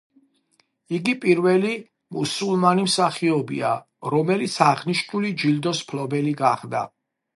იგი პირველი მუსულმანი მსახიობია, რომელიც აღნიშნული ჯილდოს მფლობელი გახდა.